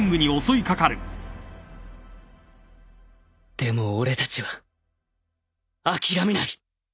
でも俺たちは諦めない！